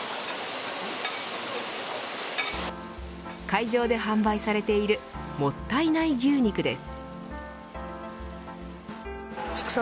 会場で販売されているもったいない牛肉です。